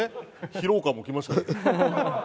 疲労感もきましたけど。